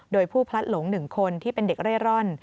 โดยผู้พลัดหลง๑คนที่เป็นเด็กเร่ร่อน